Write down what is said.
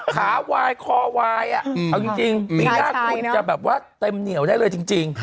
ขาวายคอวายเอาจริงปีหน้าคุณจะแบบว่าเต็มเหนียวได้เลยจริง